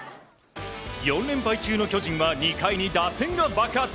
４連敗中の巨人は２回に打線が爆発。